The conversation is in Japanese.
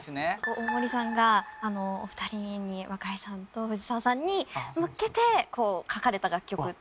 大森さんがお二人に若井さんと藤澤さんに向けて書かれた楽曲っていうのを。